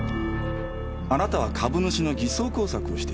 あなたは株主の偽装工作をしていた。